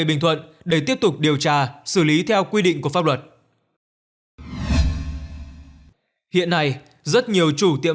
bình thuận để tiếp tục điều tra xử lý theo quy định của pháp luật hiện nay rất nhiều chủ tiệm